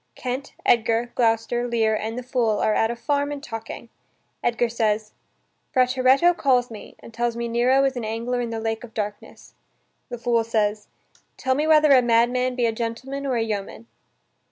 Kent, Edgar, Gloucester, Lear, and the fool are at a farm and talking. Edgar says: "Frateretto calls me, and tells me Nero is an angler in the lake of darkness...." The fool says: "Tell me whether a madman be a gentleman or a yeoman?"